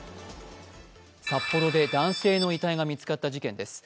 札幌で男性の遺体が見つかった事件です。